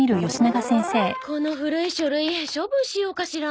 この古い書類処分しようかしら？